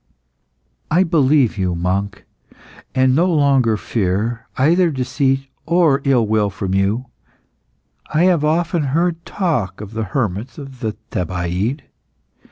"I believe you, monk, and no longer fear either deceit or ill will from you. I have often heard talk of the hermits of the Thebaid.